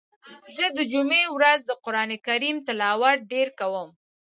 زه د جمعی په ورځ د قرآن کریم تلاوت ډیر کوم.